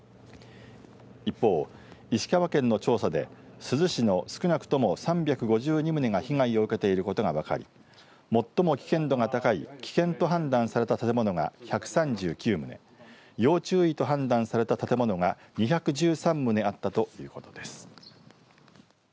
一方、石川県の調査で珠洲市の少なくとも３５２棟が被害を受けていることが分かり最も危険度が高い危険と判断された建物が１３９棟要注意と判断された建物が２１３棟あったということです。